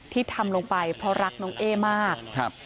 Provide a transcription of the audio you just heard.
ที่ทำลงไปเพราะรักน้องเอ้มาก